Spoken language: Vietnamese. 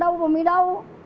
đâu mà mới đâu